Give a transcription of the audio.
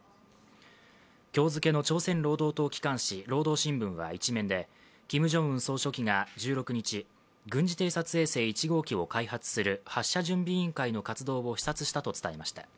今日付の朝鮮労働党機関紙「労働新聞」は１面で、キム・ジョンウン総書記が１６日、軍事偵察衛星１号機を開発する発射準備委員会の活動を視察したと伝えました。